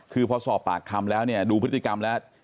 คือพอสอบปากคำแล้วเนี่ยดูพฤติกรรมแล้ว